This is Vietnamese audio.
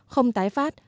không tài năng